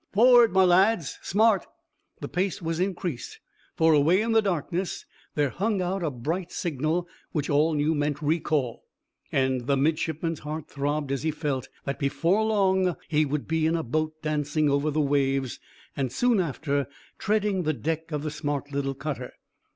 Forrard, my lads. Smart!" The pace was increased, for away in the darkness there hung out a bright signal which all knew meant recall, and the midshipman's heart throbbed as he felt that before long he would be in a boat dancing over the waves, and soon after treading the deck of the smart little cutter.